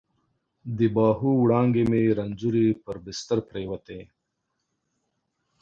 د باهو وړانګې مې رنځورې پر بستر پرتې وي